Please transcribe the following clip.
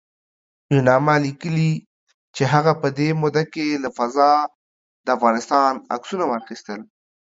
یوناما لیکلي چې هغه په دې موده کې له فضا د افغانستان عکسونه واخیستل